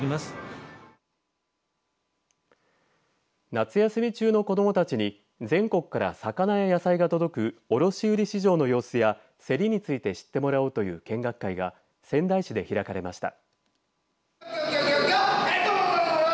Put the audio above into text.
夏休み中の子どもたちに全国から魚や野菜が届く卸売市場の様子や競りについて知ってもらおうという見学会が仙台市で開かれました。